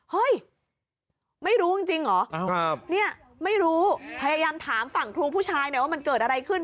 เฮ้ยไม่รู้จริงเหรอเนี่ยไม่รู้พยายามถามฝั่งครูผู้ชายหน่อยว่ามันเกิดอะไรขึ้น